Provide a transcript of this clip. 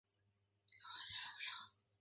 该物种的模式产地在西印度群岛。